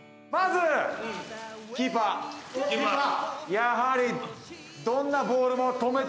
やはり。